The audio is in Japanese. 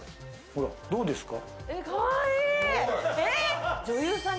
ほら、どうですか？